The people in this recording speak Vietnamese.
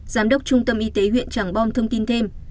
giám đốc trung tâm y tế huyện tràng bom thông tin thêm